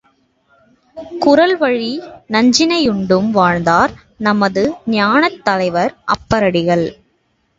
குறள்வழி, நஞ்சினையுண்டும் வாழ்ந்தார் நமது ஞானத் தலைவர் அப்பரடிகள்.